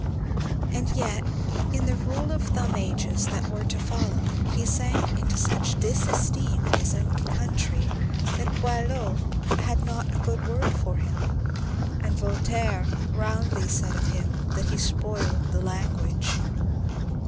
And yet, in the rule of thumb ages that were to follow, he sank into such disesteem in his own country that Boileau had not a good word for him, and Voltaire roundly said of him that he "spoiled the language."